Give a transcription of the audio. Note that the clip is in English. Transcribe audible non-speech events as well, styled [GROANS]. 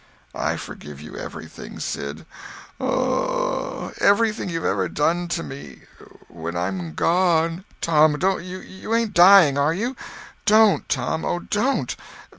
"I forgive you everything, Sid. [GROANS] Everything you've ever done to me. When I'm gone—" "Oh, Tom, you ain't dying, are you? Don't, Tom—oh, don't.